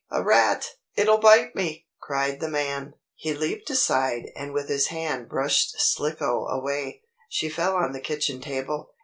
A rat! It'll bite me!" cried the man. He leaped aside and with his hand brushed Slicko away. She fell on the kitchen table.